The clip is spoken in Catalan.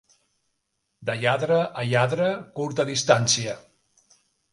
De lladre a lladre, curta distància.